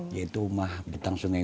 yaitu rumah betang sungai